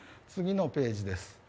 次のページです。